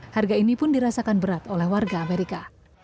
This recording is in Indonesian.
harga ini pun dirasakan berat oleh warga amerika